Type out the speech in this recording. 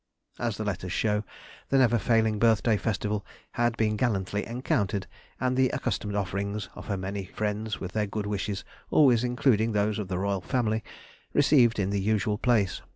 As the letters show, the never failing birthday festival had been gallantly encountered, and the accustomed offerings of her many friends with their good wishes, always including those of the Royal Family, received in the usual place.